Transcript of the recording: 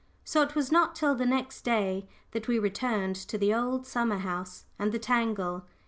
So it was not till the next day that we returned to the old summer house and the tangle.